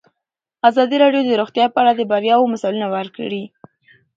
ازادي راډیو د روغتیا په اړه د بریاوو مثالونه ورکړي.